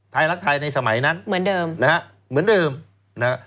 ไทยรักไทยในสมัยนั้นเหมือนเดิมนะฮะเหมือนเดิมนะฮะ